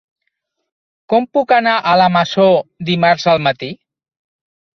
Com puc anar a la Masó dimarts al matí?